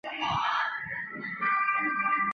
阿什海达尔汉珲台吉的长子。